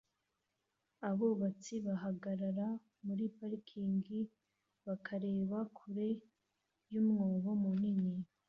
abubatsi bahagarara muri parikingi bakareba kure yumwobo munini